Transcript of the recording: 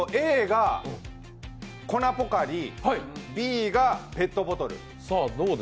Ａが粉ポカリ、Ｂがペットボトル。